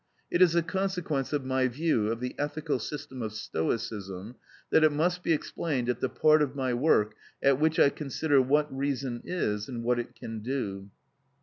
It is a consequence of my view of the ethical system of Stoicism that it must be explained at the part of my work at which I consider what reason is and what it can do.